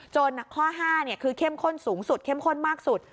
ข้อ๕คือเข้มข้นสูงสุดเข้มข้นมากสุด